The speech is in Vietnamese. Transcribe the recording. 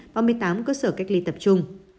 và một mươi tám cơ sở cách ly tập trung